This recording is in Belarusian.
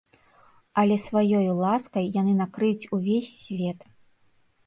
Але сваёю ласкай яны накрыюць увесь свет.